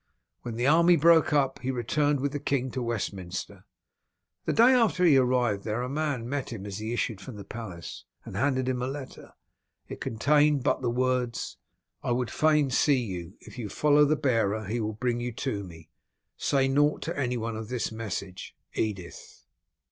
When the army broke up, he returned with the king to Westminster. The day after he arrived there a man met him as he issued from the palace, and handed him a letter. It contained but the words: "_I would fain see you. If you will follow the bearer he will bring you to me. Say naught to any one of this message. Edith.